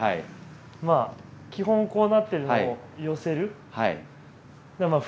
まあ基本こうなってるのを寄せる。